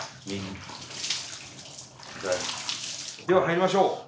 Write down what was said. では入りましょう。